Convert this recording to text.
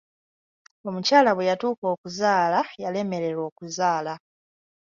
Omukyala bwe yatuuka okuzaala yalemererwa okuzaala.